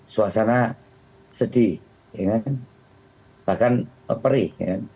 suasana sedih bahkan perih